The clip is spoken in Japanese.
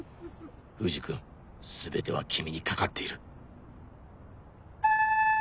藤君全ては君に懸かっている